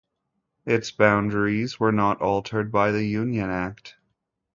Its boundaries were not altered by the "Union Act".